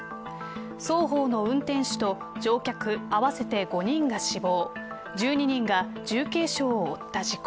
双方の運転手と乗客、合わせて５人が死亡１２人が重軽傷を負った事故。